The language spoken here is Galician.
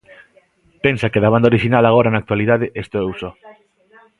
Pensa que da banda orixinal agora na actualidade estou eu só.